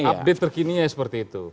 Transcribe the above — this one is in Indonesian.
update terkininya seperti itu